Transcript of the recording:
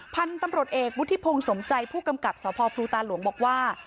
พันธุไทยตำรวจเอกวุฒิพงศ์สมใจภูกรรมกับเสมอพรุตาหลวงบอกว่า